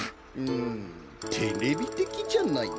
んテレビてきじゃないな。